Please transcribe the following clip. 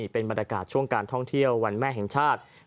เป็นบรรยากาศช่วงการท่องเที่ยววันแม่แห่งชาติ